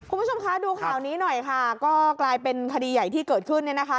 คุณผู้ชมคะดูข่าวนี้หน่อยค่ะก็กลายเป็นคดีใหญ่ที่เกิดขึ้นเนี่ยนะคะ